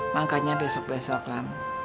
makanya besok besok lam